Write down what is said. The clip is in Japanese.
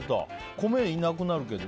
米いなくなるけど。